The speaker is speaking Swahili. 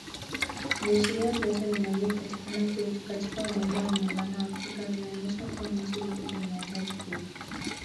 Viashiria vyote vinavyopatikana kwetu katika umoja wa muungano wa afrika vinaonyesha kuwa nchi iko kwenye hatari kubwa.